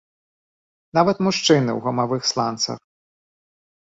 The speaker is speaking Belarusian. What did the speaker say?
Нават мужчыны ў гумавых сланцах!